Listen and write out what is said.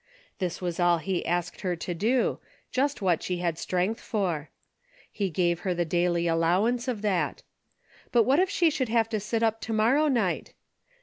This was all he asked her to do, just what she had strength for. He gave her the daily allowance of that. But what if she should have to sit up to mor row night